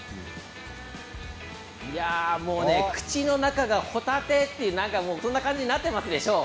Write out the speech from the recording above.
口の中がホタテってそんな感じになっていますよね。